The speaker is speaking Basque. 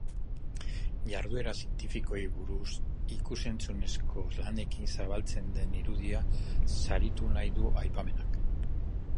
Jarduera zientifikoei buruz ikus-entzunezko lanekin zabaltzen den irudia saritu nahi du aipamenak.